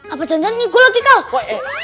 apa cancan nih gue lagi kau